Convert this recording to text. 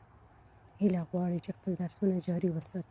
هیله غواړي چې خپل درسونه جاري وساتي.